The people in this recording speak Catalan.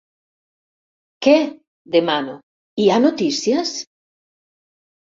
Què? —demano— Hi ha notícies?